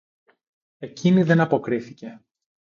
Εκείνη δεν αποκρίθηκε